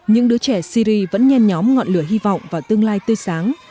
những đứa trẻ syri vẫn nhen nhóm ngọn lửa hy vọng vào tương lai tươi sáng